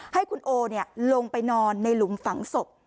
ให้คุณโอลงไปนอนในหลุมฝังศพ